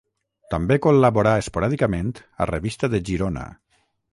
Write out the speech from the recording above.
També col·laborà esporàdicament a Revista de Girona.